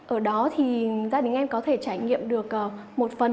ở đó thì gia đình em có thể trải nghiệm được một phần